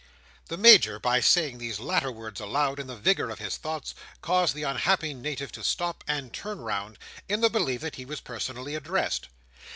The Major, by saying these latter words aloud, in the vigour of his thoughts, caused the unhappy Native to stop, and turn round, in the belief that he was personally addressed.